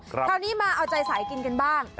คราวนี้มาเอาใจสายกินกันบ้าง